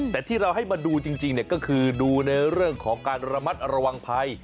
แต่ที่เราให้มาดูจริงก็คือดูในเรื่องของการระมัดระวังภัย